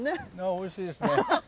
おいしいですね。